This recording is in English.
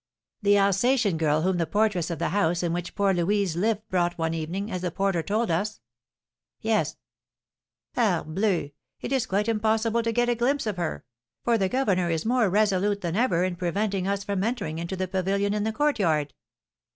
"The Alsatian girl whom the portress of the house in which poor Louise lived brought one evening, as the porter told us?" "Yes." "Parbleu! It is quite impossible to get a glimpse of her; for the governor is more resolute than ever in preventing us from entering into the pavilion in the courtyard."